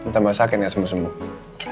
tambah sakit ya semua semua